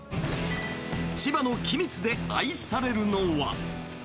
千葉の君津で愛されるのは。